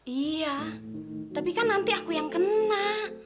iya tapi kan nanti aku yang kena